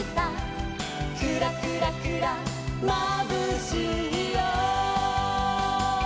「クラクラクラまぶしいよ」